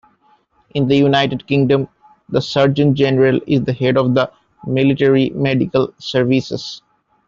In the United Kingdom, the Surgeon-General is the head of the military medical services.